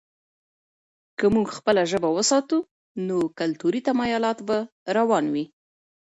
که موږ خپله ژبه وساتو، نو کلتوري تمایلات به روان وي.